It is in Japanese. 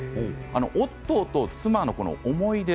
オットーと妻の思い出